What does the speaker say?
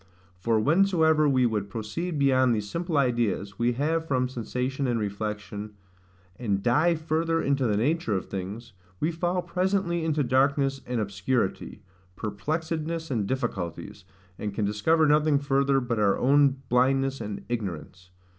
For whensoever we would proceed beyond these simple ideas we have from sensation and reflection and dive further into the nature of things, we fall presently into darkness and obscurity, perplexedness and difficulties, and can discover nothing further but our own blindness and ignorance.